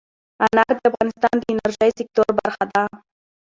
انار د افغانستان د انرژۍ سکتور برخه ده.